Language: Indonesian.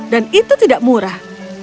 dan itu tidak murah